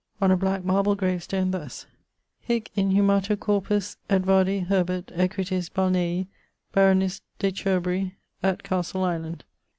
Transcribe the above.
On a black marble grave stone thus: Heic inhumatur corpus Edvardi Herbert, Equitis Balnei, Baronis de Cherbury et Castle Island.